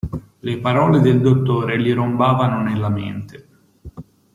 Le parole del «dottore» gli rombavano nella mente.